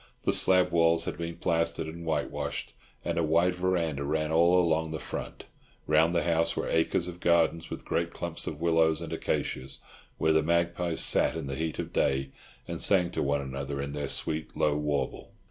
The slab walls had been plastered and whitewashed, and a wide verandah ran all along the front. Round the house were acres of garden, with great clumps of willows and acacias, where the magpies sat in the heat of the day and sang to one another in their sweet, low warble.